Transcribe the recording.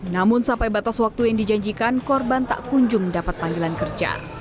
namun sampai batas waktu yang dijanjikan korban tak kunjung dapat panggilan kerja